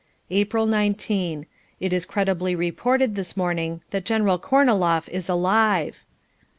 April 19. It is credibly reported this morning that General Korniloff is alive.